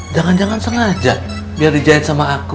jangan jangan sengaja biar dijahit sama aku